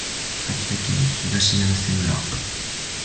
秋田県東成瀬村